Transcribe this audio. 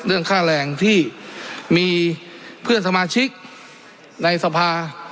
เรื่องค่าแรงที่มีเพื่อนสมาชิกในสภา